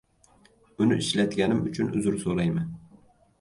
Uni ishlatganim uchun uzr soʻrayman.